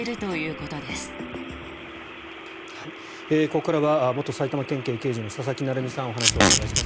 ここからは元埼玉県警刑事の佐々木成三さんにお話をお伺いします。